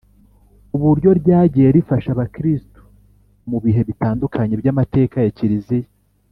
uburyo ryagiye rifasha abakristu mu bihe bitandukanye by’amateka ya kiliziya